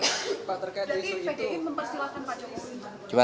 jadi pdi mempersilahkan pak jokowi